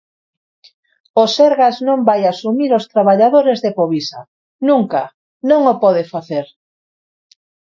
O Sergas non vai asumir os traballadores de Povisa, ¡nunca!, ¡non o pode facer!